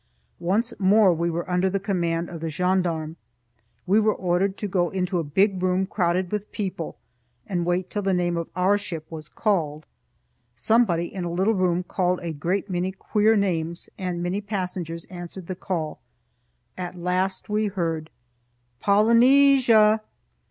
Once more we were under the command of the gendarme. We were ordered to go into a big room crowded with people, and wait till the name of our ship was called. Somebody in a little room called a great many queer names, and many passengers answered the call. At last we heard, "Polynesia!"